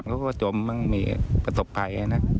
บางทีเราก็จมมั่งมีผสมภัย